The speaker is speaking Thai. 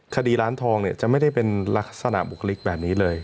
คดีร้านทองเนี่ยจะไม่ได้เป็นลักษณะบุคลิกแบบนี้เลย